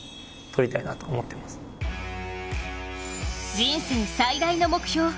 人生最大の目標。